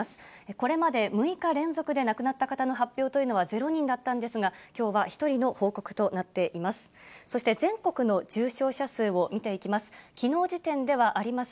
これまで６日連続で亡くなった方の発表というのは０人だったんですが、きょうは１人の報告となっています。